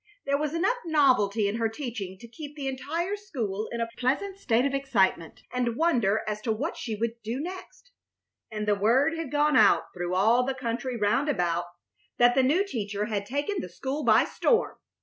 There was enough novelty in her teaching to keep the entire school in a pleasant state of excitement and wonder as to what she would do next, and the word had gone out through all the country round about that the new teacher had taken the school by storm.